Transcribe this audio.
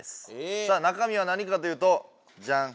さあ中みは何かというとジャン！